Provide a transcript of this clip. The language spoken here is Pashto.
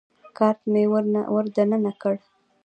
کارت مې ور دننه کړ.